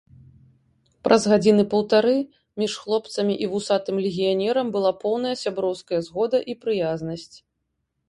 Праз гадзіны паўтары між хлопцамі і вусатым легіянерам была поўная сяброўская згода і прыязнасць.